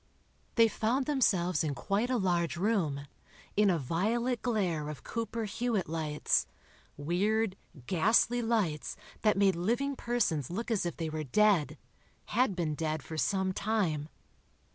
They found themselves in quite a large room, in a violet glare of Cooper Hewitt lights—weird, ghastly lights, that made living persons look as if they were dead—had been dead for some time.